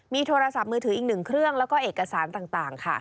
มีโทรศัพท์มือถืออีกหนึ่งเครื่องแล้วก็เอกสารต่างค่ะ